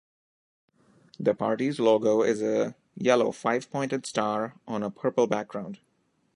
The party's logo is a yellow five-pointed star on a purple background.